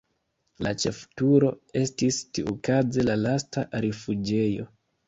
La ĉefturo estis tiukaze la lasta rifuĝejo.